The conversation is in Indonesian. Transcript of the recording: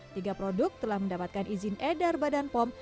tiga produk telah mendapatkan izin edar badan pom